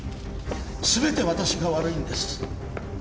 全て私が悪いんです。